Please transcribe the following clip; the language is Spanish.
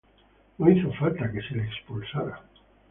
No hizo falta que se le expulsara.